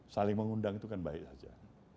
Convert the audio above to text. saling mengundang itu kan baik saja